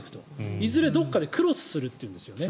いずれどこかでクロスするというんですよね。